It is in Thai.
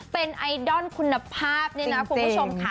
เป็นไอดอลคุณภาพคุณผู้ชมค่ะ